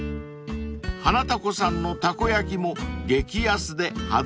［花たこさんのたこ焼きも激安で外せないところ］